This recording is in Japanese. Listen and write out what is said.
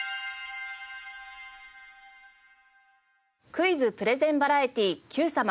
『クイズプレゼンバラエティーＱさま！！』